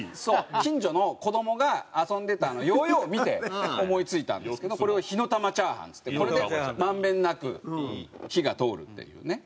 近所の子どもが遊んでたヨーヨーを見て思い付いたんですけどこれを火の玉チャーハンっつってこれで満遍なく火が通るっていうね。